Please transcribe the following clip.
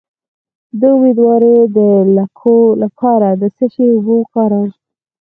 د امیدوارۍ د لکو لپاره د څه شي اوبه وکاروم؟